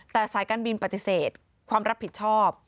แต่สายการบินปฏิเสธความรับผิดชอบ